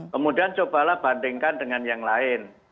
kemudian cobalah bandingkan dengan yang lain